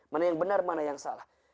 mana yang benar mana yang salah